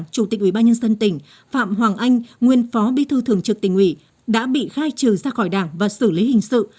chủ tịch ủy ban nhân dân tỉnh phạm hoàng anh nguyên phó bí thư thường trực tỉnh ủy đã bị khai trừ ra khỏi đảng và xử lý hình sự